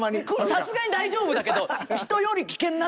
さすがに大丈夫だけどという。